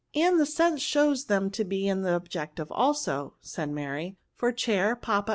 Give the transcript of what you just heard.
" And the sense shows them to be in the objective also," said Mary ;" for chair, papa.